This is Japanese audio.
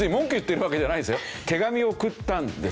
手紙を送ったんです。